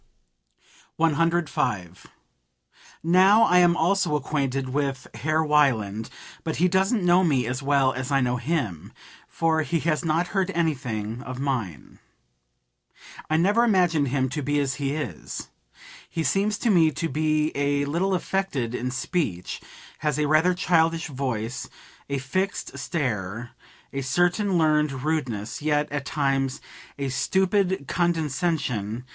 105. "Now I am also acquainted with Herr Wieland; but he doesn't know me as well as I know him, for he has not heard anything of mine. I never imagined him to be as he is. He seems to me to be a little affected in speech, has a rather childish voice, a fixed stare, a certain learned rudeness, yet, at times, a stupid condescension.